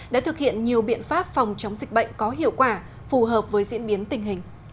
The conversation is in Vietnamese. đã thực hiện nhiều biện pháp phòng chống dịch bệnh có hiệu quả phù hợp với diễn biến tình hình